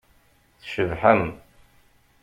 Tcebḥem.